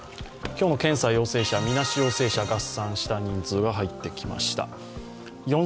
今日の検査陽性者、みなし陽性者合算した人数が入ってきました。